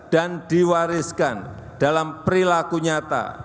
dan diwariskan dalam perilaku nyata